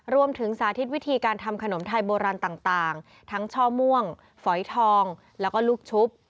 สาธิตวิธีการทำขนมไทยโบราณต่างทั้งช่อม่วงฝอยทองแล้วก็ลูกชุบ